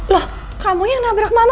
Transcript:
loh kamu yang nabrak mama